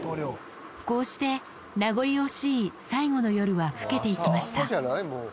こうして名残惜しい最後の夜は更けていきました